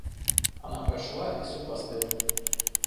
Она прошла и суп остыл.